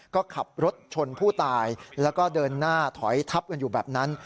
ก็ขับรถชนผู้ตายแล้วก็เดินหน้าถอยทับกันอยู่แบบนั้น